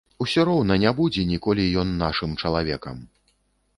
Усё роўна не будзе ніколі ён нашым чалавекам.